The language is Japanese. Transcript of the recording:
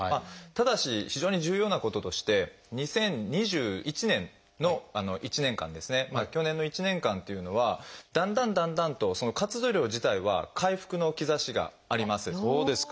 ただし非常に重要なこととして２０２１年の１年間ですね去年の１年間っていうのはだんだんだんだんと活動量自体は回復の兆しがあります。